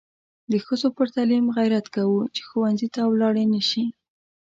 د ښځو پر تعلیم غیرت کوو چې ښوونځي ته ولاړې نشي.